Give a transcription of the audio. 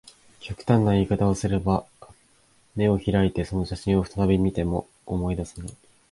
極端な言い方をすれば、眼を開いてその写真を再び見ても、思い出せない